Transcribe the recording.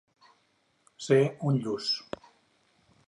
Ser un lluç.